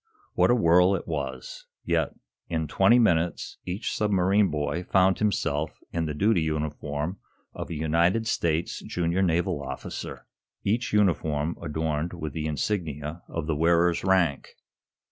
What a whirl it was. Yet, in twenty minutes, each submarine boy found himself in the duty uniform of a United States junior naval officer, each uniform adorned with the insignia of the wearer's rank.